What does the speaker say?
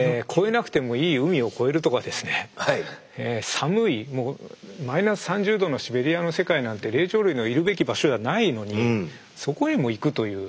寒いもうマイナス３０度のシベリアの世界なんて霊長類のいるべき場所じゃないのにそこへも行くという。